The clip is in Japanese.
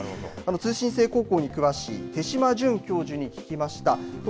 通信制高校に詳しい手島純教授に聞きました。